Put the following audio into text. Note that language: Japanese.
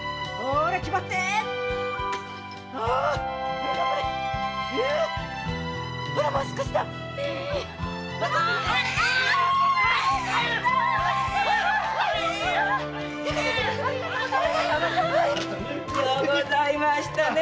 気張って！ようございましたね